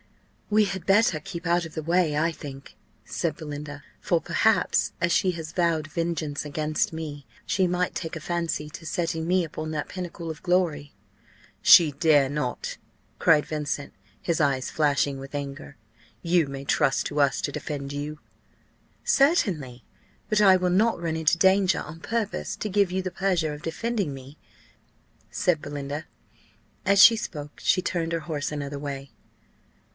"We had better keep out of the way, I think," said Belinda: "for perhaps, as she has vowed vengeance against me, she might take a fancy to setting me upon that pinnacle of glory." "She dare not," cried Vincent, his eyes flashing with anger: "you may trust to us to defend you." "Certainly! But I will not run into danger on purpose to give you the pleasure of defending me," said Belinda; and as she spoke, she turned her horse another way.